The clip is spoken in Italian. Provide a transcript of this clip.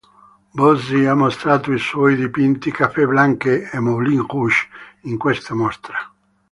Bossi ha mostrato i suoi dipinti "Café Blanche" e "Moulin Rouge" in questa mostra.